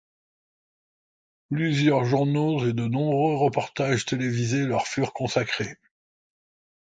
Plusieurs journaux et de nombreux reportages télévisés leurs furent consacrés.